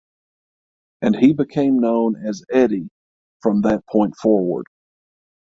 And he became known as Eddy from that point forward.